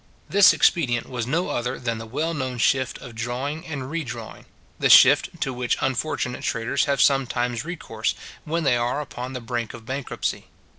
This expedient was no other than the well known shift of drawing and redrawing; the shift to which unfortunate traders have sometimes recourse, when they are upon the brink of bankruptcy.